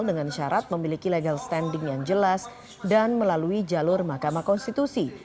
dengan syarat memiliki legal standing yang jelas dan melalui jalur mahkamah konstitusi